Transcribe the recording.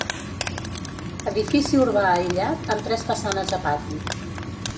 Edifici urbà aïllat, amb tres façanes a pati.